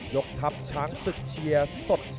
กทัพช้างศึกเชียร์สด